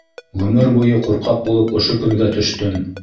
Ғүмер буйы ҡурҡаҡ булып ошо көнгә төштөм.